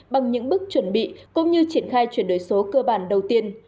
bằng những bước chuẩn bị cũng như triển khai chuyển đổi số cơ bản đầu tiên